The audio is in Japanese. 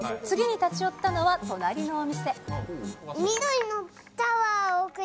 次に立ち寄ったのは隣のお店。